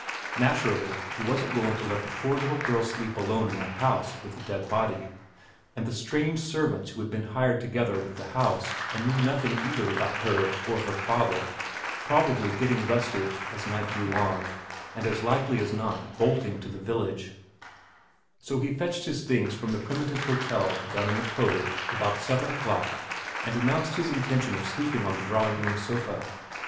Naturally he wasn't going to let the poor little girl sleep alone in that house with a dead body, and the strange servants who had been hired together with the house and knew nothing either about her or her father probably getting restive as night drew on, and as likely as not bolting to the village ; so he fetched his things from the primitive hotel down in the cove about seven o'clock and announced his intention of sleeping on the drawing room sofa.